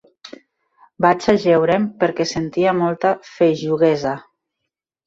Vaig ajeure'm perquè sentia molta feixuguesa.